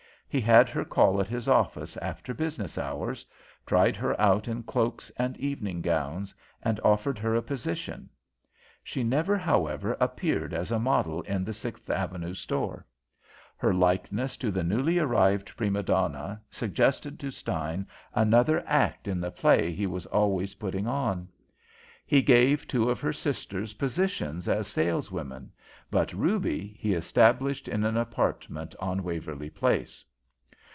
He had her call at his office after business hours, tried her out in cloaks and evening gowns, and offered her a position. She never, however, appeared as a model in the Sixth Avenue store. Her likeness to the newly arrived prima donna suggested to Stein another act in the play he was always putting on. He gave two of her sisters positions as saleswomen, but Ruby he established in an apartment on Waverly Place.